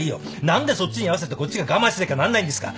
何でそっちに合わせてこっちが我慢しなきゃなんないんですか。